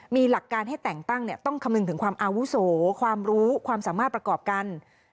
มีหลักการให้แต่งตั้งต้องคำนึงถึงความอาวุโสความรู้ความสามารถประกอบกัน